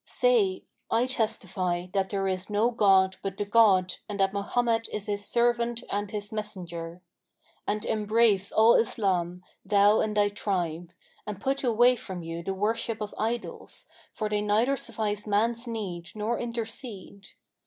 Say, 'I testify that there is no god but the God and that Mohammed is His servant and His messenger.' And embrace Al Islam, thou and thy tribe; and put away from you the worship of idols, for they neither suffice man's need nor intercede.